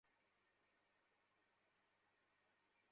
এবার ভেবে দেখো।